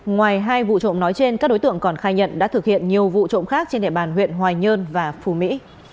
ngoài hai vụ trộm nói trên các đối tượng còn khai nhận đã thực hiện nhiều vụ trộm khác trên địa bàn huyện hoài nhơn và phú mỹ